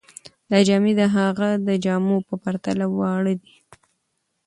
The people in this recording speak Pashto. دا جامې د هغه د جامو په پرتله واړه دي.